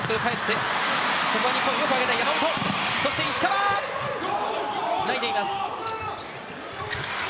石川、つないでいます。